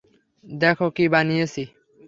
দেখ, কী বানিয়েছি।